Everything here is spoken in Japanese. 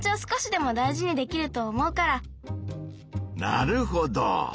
なるほど。